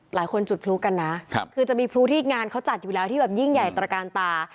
หลายคนจุดพลุกันนะคือจะมีพลุที่งานเขาจัดอยู่แล้วที่แบบยิ่งใหญ่ตระการตา